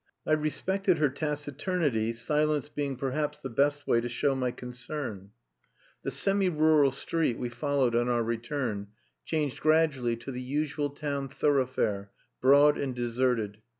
I respected her taciturnity, silence being perhaps the best way to show my concern. The semi rural street we followed on our return changed gradually to the usual town thoroughfare, broad and deserted.